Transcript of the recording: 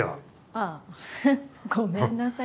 あっごめんなさい。